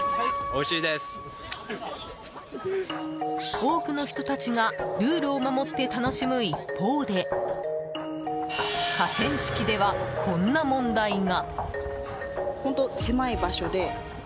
多くの人たちがルールを守って楽しむ一方で河川敷では、こんな問題が。